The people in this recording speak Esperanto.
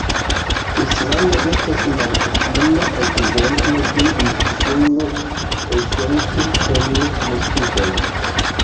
Islando estas malkutima ekzemplo de insulo, esence sen moskitoj.